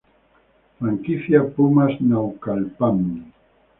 Franquicia Pumas Naucalpan